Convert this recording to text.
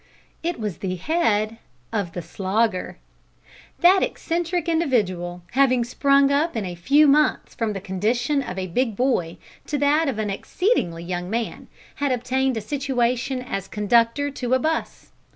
It was the head of the Slogger! That eccentric individual, having sprung up in a few months from the condition of a big boy to that of an exceedingly young man, had obtained a situation as conductor to a 'bus.